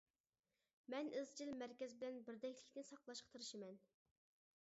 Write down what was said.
مەن ئىزچىل مەركەز بىلەن بىردەكلىكنى ساقلاشقا تىرىشىمەن.